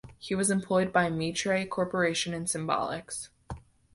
He was employed by Mitre Corporation and Symbolics.